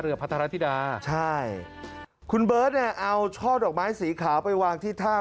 พัทรธิดาใช่คุณเบิร์ตเนี่ยเอาช่อดอกไม้สีขาวไปวางที่ท่า